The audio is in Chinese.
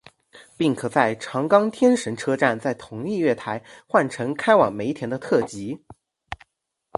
并可在长冈天神车站在同一月台换乘开往梅田的特急。